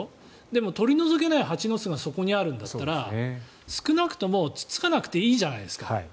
でも、取り除けない蜂の巣がそこにあるんだったら少なくともつつかなくていいじゃないですか。